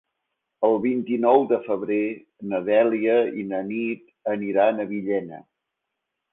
El vint-i-nou de febrer na Dèlia i na Nit aniran a Villena.